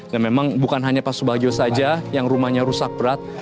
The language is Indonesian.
dan memang bukan hanya pak subagio saja yang rumahnya rusak berat